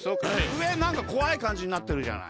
うえなんかこわいかんじになってるじゃない。